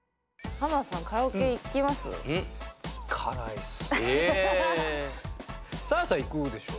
サーヤさん行くでしょ？